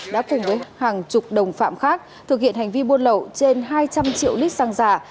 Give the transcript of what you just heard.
đã cùng với hàng chục đồng phạm khác thực hiện hành vi buôn lậu trên hai trăm linh triệu lít xăng giả